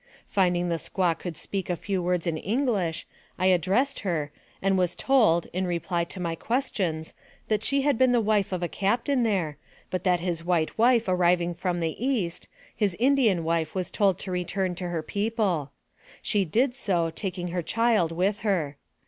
Find ing the squaw could speak a few words in English, I addressed her, and was told, in reply to my questions, that she had been the wife of a captain there, but that his white wife arriving from the East, his Indian wife was told to return to her people; she did so, taking her child with her.